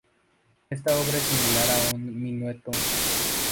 Esta obra es similar a un minueto.